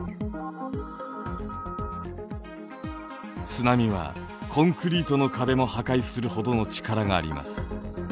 津波はコンクリートの壁も破壊するほどの力があります。